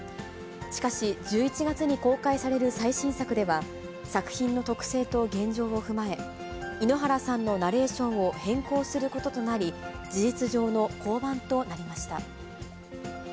しかし、１１月に公開される最新作では、作品の特性と現状を踏まえ、井ノ原さんのナレーションを変更することとなり、事実上の降板となりました。